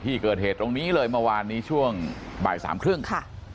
ที่เกิดเหตุตรงนี้เลยเมื่อวานนี้ช่วงบ่ายสามครึ่งค่ะ